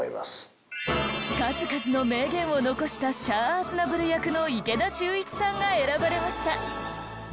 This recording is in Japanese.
数々の名言を残したシャア・アズナブル役の池田秀一さんが選ばれました。